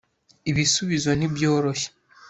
ibisubizo ntibyoroshye